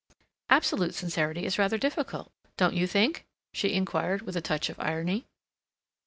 "Absolute sincerity is rather difficult, don't you think?" she inquired, with a touch of irony.